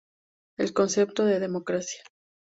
El concepto de democracia.